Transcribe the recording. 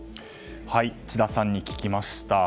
智田さんに聞きました。